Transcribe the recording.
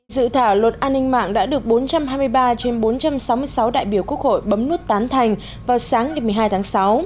dự thảo luật an ninh mạng đã được bốn trăm hai mươi ba trên bốn trăm sáu mươi sáu đại biểu quốc hội bấm nút tán thành vào sáng ngày một mươi hai tháng sáu